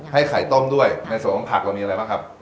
ให้ไข่ต้มด้วยในส่วนของผักเรามีอะไรบ้างครับ